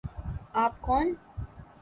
آپ کون